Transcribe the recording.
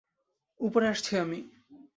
উপরে আসছি আমি।